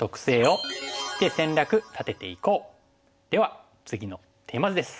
では次のテーマ図です。